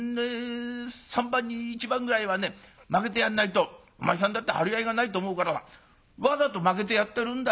３番に１番ぐらいはね負けてやんないとお前さんだって張り合いがないと思うからわざと負けてやってるんだよ。